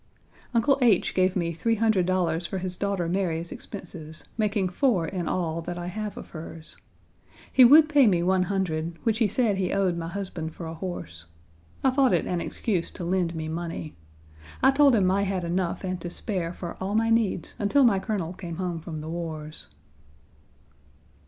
Uncle H. gave me three hundred dollars for his daughter Mary's expenses, making four in all that I have of hers. He would pay me one hundred, which he said he owed my husband for a horse. I thought it an excuse to lend me money. I told him I had enough and to spare for all my needs until my Colonel came home from the wars.